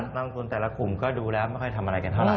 ลงทุนแต่ละกลุ่มก็ดูแล้วไม่ค่อยทำอะไรกันเท่าไห